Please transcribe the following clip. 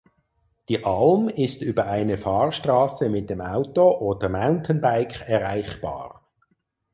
Die Alm ist über eine Fahrstraße mit dem Auto oder Mountainbike erreichbar.